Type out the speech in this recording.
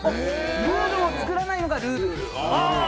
ルールを作らないのがルール。